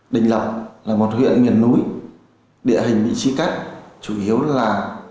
đình lập là một huyện miền núi địa hình vị trí cách chủ yếu là